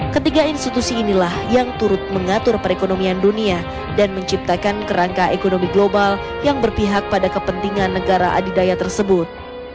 ketiga institusi inilah yang turut mengatur perekonomian dunia dan menciptakan kerangka ekonomi global yang berpihak pada kepentingan negara adidaya tersebut